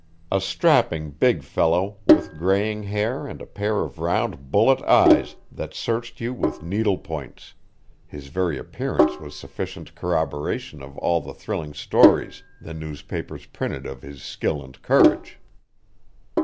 A strapping big fellow, with graying hair and a pair of round bullet eyes that searched you with needle points, his very appearance was sufficient corroboration of all the thrilling stories the newspapers printed of his skill and courage.